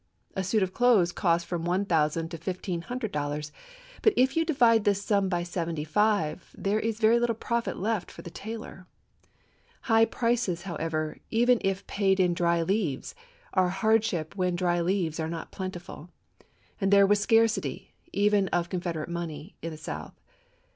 A suit of clothes cost from one thousand to fifteen hundred dollars ; but if you divide this sum by seventy five, there is very little profit left for the tailor. High prices, however, even if paid in dry leaves, are a hardship when dry leaves are not plentiful ; and there was scarcity, even of Confederate money, in the South.